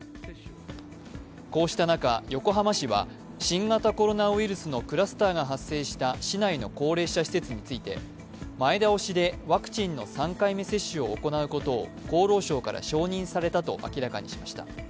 こうした中、横浜市は新型コロナウイルスのクラスターが発生した市内の高齢者施設について、前倒しでワクチンの３回目接種を行うことを厚労省から承認されたと明らかにしました。